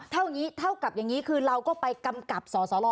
เท่ากับอย่างนี้คือเราก็ไปกำกับสอสร